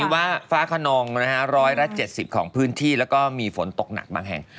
ว่าฟ้าขนอง๑๗๐ของพื้นที่แล้วก็มีฝนตกหนักบางแห่ง